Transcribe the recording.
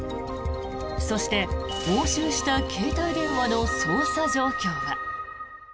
そして、押収した携帯電話の捜査状況は。